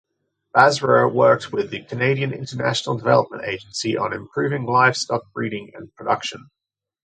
Basrur worked with the Canadian International Development Agency on improving livestock breeding and production.